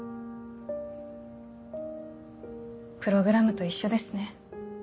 プログラムと一緒ですね。